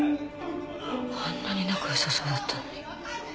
あんなに仲良さそうだったのに。